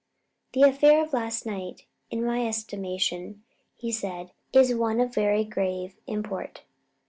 "The affair of last night, in my estimation," said he, "is one of very grave import.